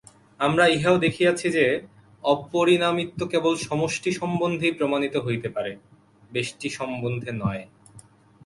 আমরা ইহাও দেখিয়াছি যে, অপরিণামিত্ব কেবল সমষ্টি-সম্বন্ধেই প্রমাণিত হইতে পারে, ব্যষ্টি-সম্বন্ধে নয়।